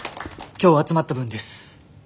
今日集まった分です。